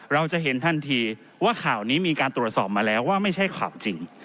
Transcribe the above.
เราจะเห็นทันทีว่าข่าวนี้มีการตรวจสอบมาแล้วว่าไม่ใช่ข่าวจริง